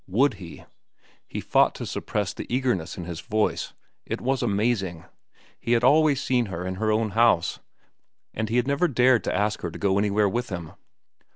Would he! He fought to suppress the eagerness in his voice. It was amazing. He had always seen her in her own house. And he had never dared to ask her to go anywhere with him.